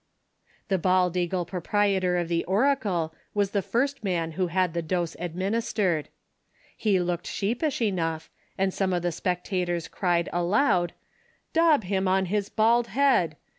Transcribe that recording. ] The baldeagle proprietor of the "Oracle" was the first man who had the dose administered. He looked sheepish enough, and some of the spectators cried aloud :" Dob him on his bald head